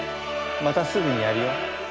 またすぐにやるよ。